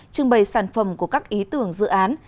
trưng bày sản phẩm của các ý tưởng dự án